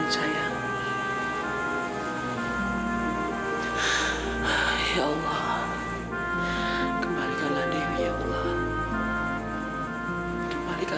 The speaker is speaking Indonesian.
sampai jumpa di video selanjutnya